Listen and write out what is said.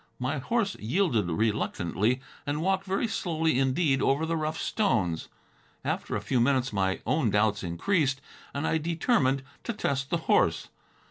My horse yielded reluctantly and walked very slowly indeed over the rough stones. After a few minutes my own doubts increased and I determined to test the horse.